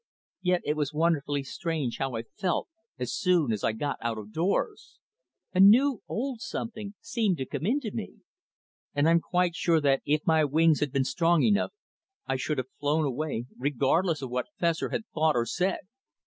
Yet it was wonderfully strange how I felt as soon as I got out of doors. A new old something seemed to come into me, and I'm quite sure that if my wings had been strong enough, I should have flown away regardless of what Fessor had thought or said.